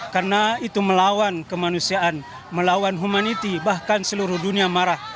karena itu melawan kemanusiaan melawan humanity bahkan seluruh dunia marah